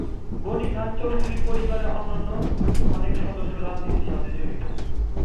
গণি খান চৌধুরীর পরিবারের অন্যান্য অনেক সদস্যই রাজনীতির সাথে জড়িত।